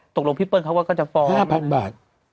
ตกลงพี่เปิ้ลเขาก็จะฟอง๕๐๐๐บาท